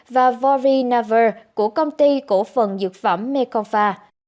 và vorinavir của công ty cổ phần dược phẩm mekongfa